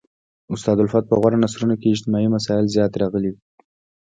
استاد الفت په غوره نثرونو کښي اجتماعي مسائل زیات راغلي.